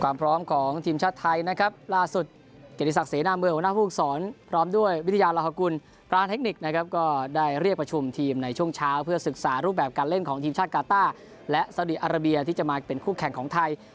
ความพร้อมของทีมชาติไทยนะครับล่าสุดเกียรติศักดิเสนาเมืองหัวหน้าภูมิสอนพร้อมด้วยวิทยาลาฮกุลปราเทคนิคนะครับก็ได้เรียกประชุมทีมในช่วงเช้าเพื่อศึกษารูปแบบการเล่นของทีมชาติกาต้าและซาดีอาราเบียที่จะมาเป็นคู่แข่งของไทย